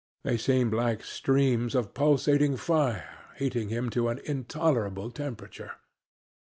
They seemed like streams of pulsating fire heating him to an intolerable temperature.